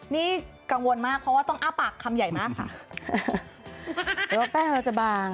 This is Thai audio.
นี่กังวลมากเพราะว่าต้องอ้าปากคำใหญ่มากค่ะแต่ว่าแป้งเราจะบาง